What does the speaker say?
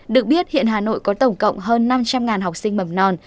được biết hiện hà nội có tổng cộng hơn năm trăm linh học sinh mầm non